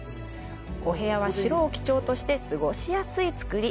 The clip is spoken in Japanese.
お部屋は白を基調として過ごしやすい造り。